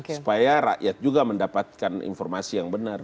supaya rakyat juga mendapatkan informasi yang benar